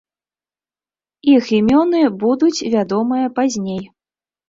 Іх імёны будуць вядомыя пазней.